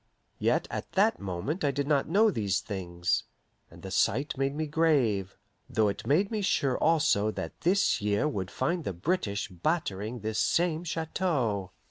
Yet at that moment I did not know these things, and the sight made me grave, though it made me sure also that this year would find the British battering this same Chateau.